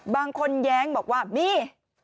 บางคนแย้งบอกว่ามี